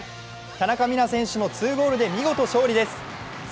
田中美南選手も２ゴールで見事、勝利です。